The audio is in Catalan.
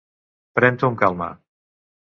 Pren-t'ho amb calma!